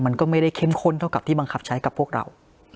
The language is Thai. มันก็ไม่ได้เข้มข้นเท่ากับที่บังคับใช้กับพวกเรา